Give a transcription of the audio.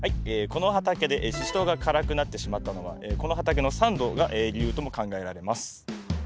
この畑でシシトウが辛くなってしまったのはこの畑の酸度が理由とも考えられます。